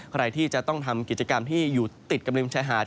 ใครที่จะต้องทำกิจกรรมที่อยู่ติดกับริมชายหาด